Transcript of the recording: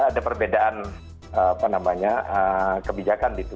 ada perbedaan apa namanya kebijakan di tni